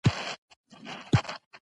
په همزولو په سیالانو کي منلې